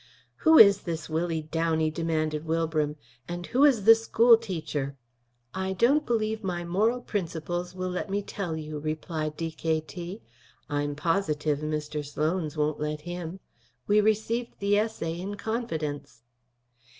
"Who is this Willie Downey?" demanded Wilbram. "And who is the school teacher?" "I don't believe my moral principles will let me tell you," replied D.K.T. "I'm positive Mr. Sloan's won't let him. We received the essay in confidence."